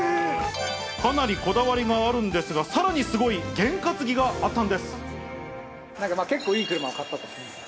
かなりこだわりがあるんですが、さらにすごい験担ぎがあったんで結構、いい車を買ったと。